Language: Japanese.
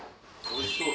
おいしい？